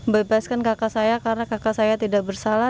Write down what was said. bebaskan kakak saya karena kakak saya tidak bersalah